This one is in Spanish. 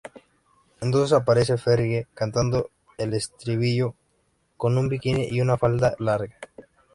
Entonces aparece Fergie cantando el estribillo con un bikini y una falda larga.